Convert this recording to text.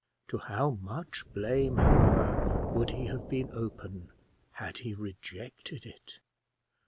To how much blame, however, would he have been open had he rejected it!